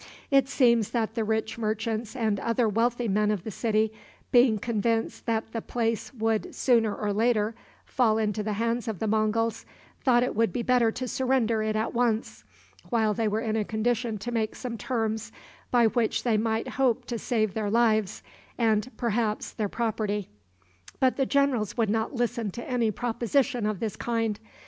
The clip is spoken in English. It seems that the rich merchants and other wealthy men of the city, being convinced that the place would sooner or later fall into the hands of the Monguls, thought it would be better to surrender it at once, while they were in a condition to make some terms by which they might hope to save their lives, and perhaps their property. But the generals would not listen to any proposition of this kind.